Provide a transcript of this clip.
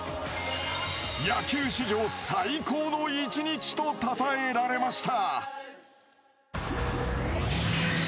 野球史上最高の１日とたたえられました。